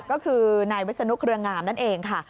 ก็คือนายวิศนุเครืองามนั่นเองค่ะ